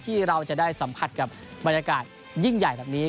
ที่เราจะได้สัมผัสกับบรรยากาศยิ่งใหญ่แบบนี้